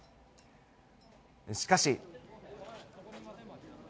しかし。